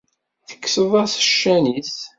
Tekkseḍ-as ccan-is.